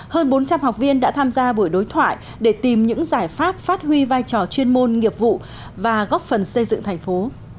hơn bốn trăm linh học viên đã tham gia buổi đối thoại để tìm những giải pháp phát huy vai trò chuyên môn nghiệp vụ và góp phần xây dựng thành phố